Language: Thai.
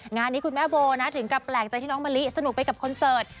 งานนี้คุณแม่โบนะถึงกับแปลกใจที่น้องมะลิสนุกไปกับคอนเสิร์ต